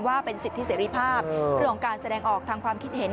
ว่าเป็นสิทธิเสรีภาพเรื่องของการแสดงออกทางความคิดเห็น